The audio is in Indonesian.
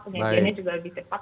penyajiannya juga lebih cepat